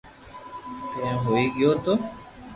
ڀیرون ھوئي گیونھ